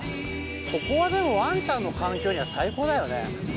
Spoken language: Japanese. ここはでもワンちゃんの環境には最高だよね。